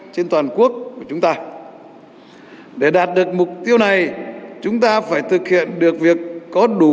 trên toàn quốc của chúng ta để đạt được mục tiêu này chúng ta phải thực hiện được việc có đủ